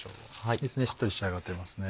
いいですねしっとり仕上がっていますね。